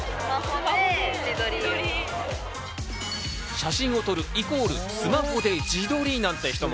写真を撮る＝スマホで自撮りなんて人も。